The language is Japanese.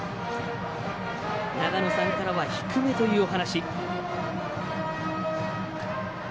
長野さんからは低めというお話。